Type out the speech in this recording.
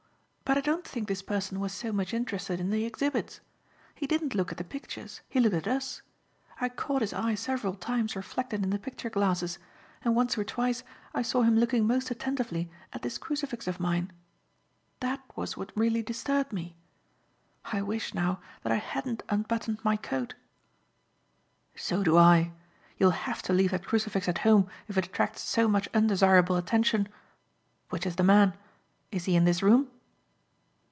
But I don't think this person was so much interested in the exhibits. He didn't look at the pictures, he looked at us. I caught his eye several times reflected in the picture glasses, and once or twice I saw him looking most attentively at this crucifix of mine. That was what really disturbed me. I wish, now, that I hadn't unbuttoned my coat." "So do I. You will have to leave that crucifix at home if it attracts so much undesirable attention. Which is the man? Is he in this room?"